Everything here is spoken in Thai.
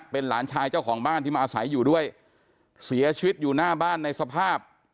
เป็นหลานชายเจ้าของบ้านที่มาอาศัยอยู่ด้วยเสียชีวิตอยู่หน้าบ้านในสภาพ